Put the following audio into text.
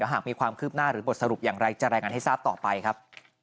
หากมีความคืบหน้าหรือบทสรุปอย่างไรจะรายงานให้ทราบต่อไปครับ